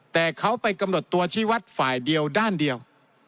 แต่เขาไปกำหนดตัวชีวัตรฝ่ายเดียวด้านเดียว